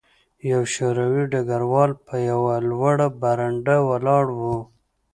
یو شوروي ډګروال په یوه لوړه برنډه ولاړ و